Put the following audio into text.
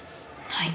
はい。